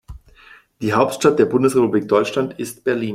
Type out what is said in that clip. Die Hauptstadt der Bundesrepublik Deutschland ist Berlin